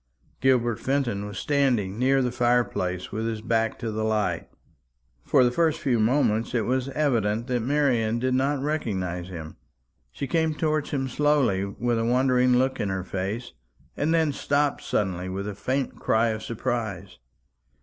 Gilbert Fenton was standing near the fire place, with his back to the light. For the first few moments it was evident that Marian did not recognize him. She came towards him slowly, with a wondering look in her face, and then stopped suddenly with a faint cry of surprise.